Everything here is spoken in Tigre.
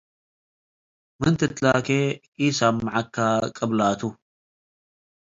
ምን ትትላኬ ኢሰመዐከ ቅብላቱ